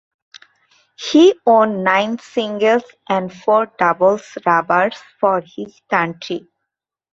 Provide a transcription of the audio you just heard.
He won nine singles and four doubles rubbers for his country.